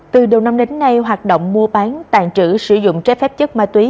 từ đầu năm đến nay hoạt động mua bán tàn trữ sử dụng trái phép chất ma túy